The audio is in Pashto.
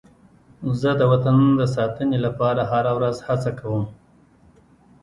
زه د وطن د ساتنې لپاره هره ورځ هڅه کوم.